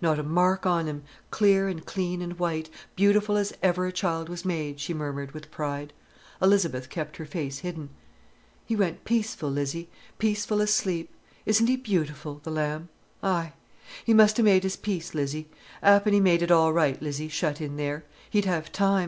"Not a mark on him, clear and clean and white, beautiful as ever a child was made," she murmured with pride. Elizabeth kept her face hidden. "He went peaceful, Lizzie—peaceful as sleep. Isn't he beautiful, the lamb? Ay—he must ha' made his peace, Lizzie. 'Appen he made it all right, Lizzie, shut in there. He'd have time.